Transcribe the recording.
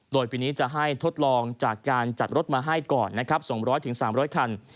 โดยปีนี้จะให้ทดลองจากการจัดรถมาให้ก่อนนะครับ๒๐๐๓๐๐คัน